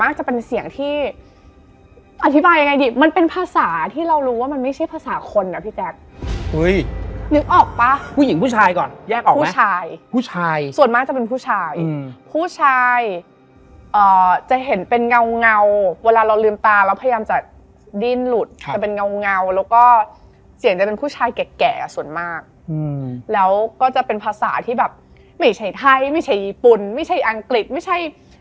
คือมันเป็นอะไรที่แบบไม่เข้าหูเลยไม่โอเคเลยที่จะพูดออกมา